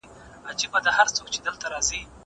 زه له سهاره کالي وچوم!!